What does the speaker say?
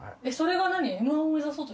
それが何？